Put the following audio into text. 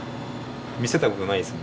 見せたことないですね